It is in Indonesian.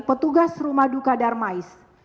petugas rumah duka darmais